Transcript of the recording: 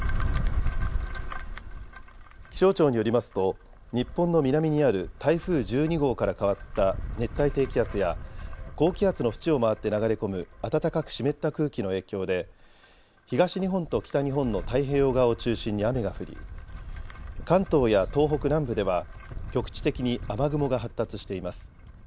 気象庁によりますと日本の南にある台風１２号から変わった熱帯低気圧や高気圧の縁を回って流れ込む暖かく湿った空気の影響で東日本と北日本の太平洋側を中心に雨が降り関東や東北南部では局地的に雨雲が発達しています。